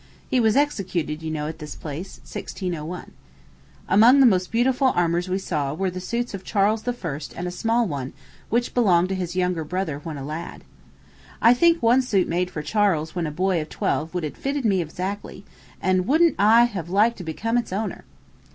He was executed, you know, at this place, 1601. Among the most beautiful armors we saw were the suits of Charles I. and a small one which belonged to his younger brother when a lad. I think one suit made for Charles when a boy of twelve would have fitted me exactly; and wouldn't I have liked to become its owner!